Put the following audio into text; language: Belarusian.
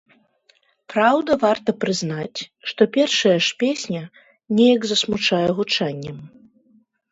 Праўда, варта прызнаць, што першая ж песня неяк засмучае гучаннем.